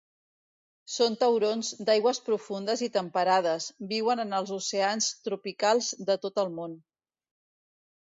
Són taurons d'aigües profundes i temperades, viuen en els oceans tropicals de tot el món.